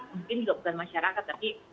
mungkin juga bukan masyarakat tapi